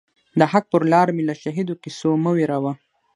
د حق پر لار می له شهیدو کیسو مه وېروه